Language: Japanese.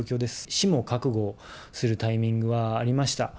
死も覚悟するタイミングはありました。